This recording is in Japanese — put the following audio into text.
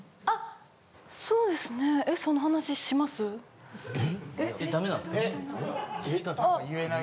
あそうですね。え？